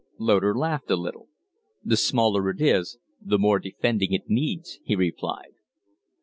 Loder laughed a little. "The smaller it is, the more defending it needs," he replied.